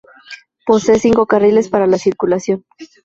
Posee cinco carriles para la circulación.